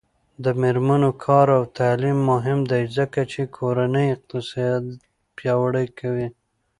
د میرمنو کار او تعلیم مهم دی ځکه چې کورنۍ اقتصاد پیاوړی کوي.